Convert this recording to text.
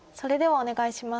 お願いします。